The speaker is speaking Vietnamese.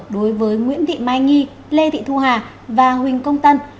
đối với nguyễn thị mai nhi lê thị thu hà và huỳnh công tân